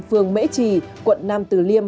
phường mễ trì quận nam từ liêm